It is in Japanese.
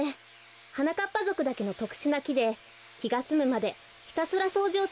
はなかっぱぞくだけのとくしゅなきできがすむまでひたすらそうじをつづけるようですよ。